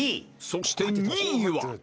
そして２位は